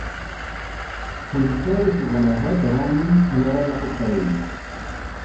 Conduttori furono Red Ronnie e Lorella Cuccarini.